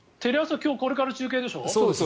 今日これから中継でしょ？